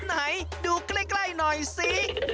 ไหนดูใกล้หน่อยสิ